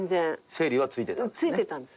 整理はついてたんですね。